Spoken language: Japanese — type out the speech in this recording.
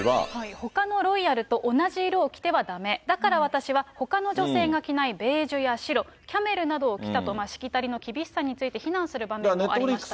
ほかのロイヤルと同じ色を着てはだめ、だから私はほかの女性が着ないベージュや白、キャメルなどを着たと、しきたりの厳しさについて非難する場面もありました。